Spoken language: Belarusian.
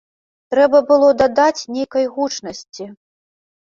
Трэба было дадаць нейкай гучнасці.